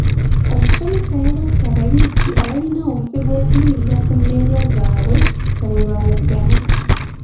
Omusomesa yaloopye abayizi abalina omuze gw'okuyimirira ku mmeeza zaabwe nga bwe bawoggana.